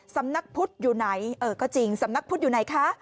สำนักพุทธอยู่ไหนเออก็จริงสำนักพุทธอยู่ไหนคะ